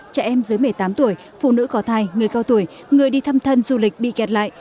trẻ em dưới một mươi tám tuổi phụ nữ có thai người cao tuổi người đi thăm thân du lịch bị kẹt lại